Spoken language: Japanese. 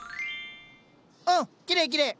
うんきれいきれい。